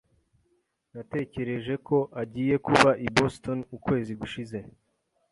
Natekereje ko agiye kuba i Boston ukwezi gushize.